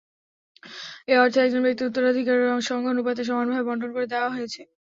এ অর্থ একজন ব্যক্তির উত্তরাধিকার সংখ্যা অনুপাতে সমানভাবে বণ্টন করে দেওয়া হয়েছে।